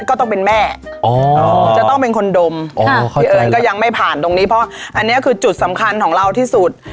ก็ต้องเป็นแม่จะต้องเป็นคนดมพี่เอิญก็ยังไม่ผ่านตรงนี้เพราะอันนี้คือจุดสำคัญของเราที่สุด